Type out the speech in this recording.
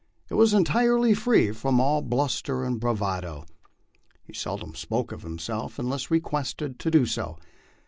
It was entirely free from all bluster or bravado. He seldom spoke of himself unless requested to do so.